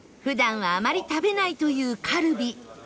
普段はあまり食べないというカルビ